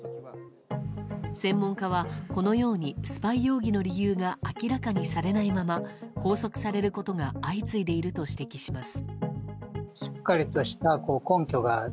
専門家は、このようにスパイ容疑の理由が明らかにされないまま拘束されることが相次いでいると指摘します。